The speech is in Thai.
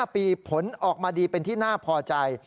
๕ปีผลออกมาดีเป็นที่น่าพอใจ